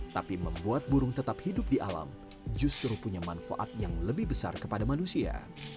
tapi membuat burung tetap hidup di alam justru punya manfaat yang lebih besar kepada manusia